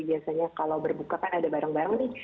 biasanya kalau berbuka kan ada barang barang nih